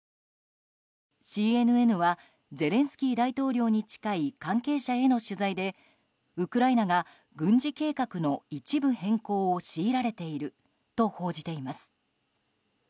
ＣＮＮはゼレンスキー大統領に近い関係者への取材でウクライナが軍事計画の一部変更を強いられていると報じています。